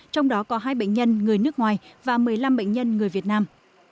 trong đó có hai bệnh nhân người nước ngoài và một mươi năm bệnh nhân người việt nam